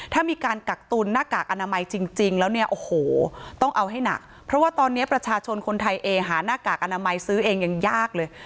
ถ้ามีการกักตุนหน้ากากอนามัยจริงแล้วเนี่ยโอ้โหต้องเอาให้หนักเพราะว่าตอนนี้ประชาชนคนไทยเองหาหน้ากากอนามัยซื้อเองยังยากเลย